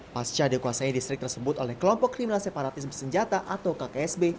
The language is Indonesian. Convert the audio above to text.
pasca dikuasai distrik tersebut oleh kelompok kriminal separatis bersenjata atau kksb